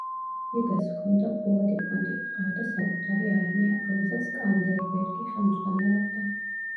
ლიგას ჰქონდა ფულადი ფონდი, ჰყავდა საკუთარი არმია, რომელსაც სკანდერბეგი ხელმძღვანელობდა.